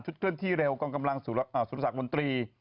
ชุดเคลื่อนที่เร็วกรรมกำลังสุรศักดิ์มนตรี